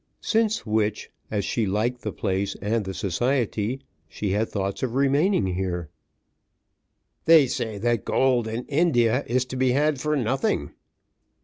Since which, as she liked the place and the society, she had thoughts of remaining here. "They say that gold in India is to be had for nothing."